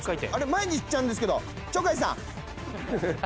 前に行っちゃうんですけど鳥海さん！引くんですね。